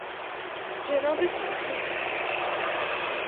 جناب کوپید